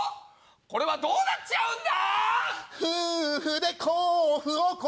これはどうなっちゃうんだ？